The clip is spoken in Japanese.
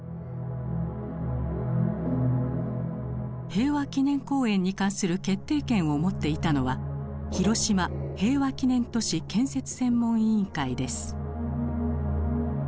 平和記念公園に関する決定権を持っていたのは広島平和記念都市建設専門委員会です。